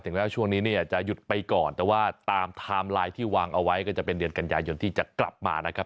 แม้ว่าช่วงนี้เนี่ยจะหยุดไปก่อนแต่ว่าตามไทม์ไลน์ที่วางเอาไว้ก็จะเป็นเดือนกันยายนที่จะกลับมานะครับ